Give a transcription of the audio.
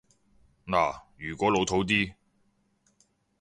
嗱，如果老套啲